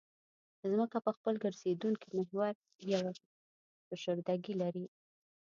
ځمکه په خپل ګرځېدونکي محور یوه فشردګي لري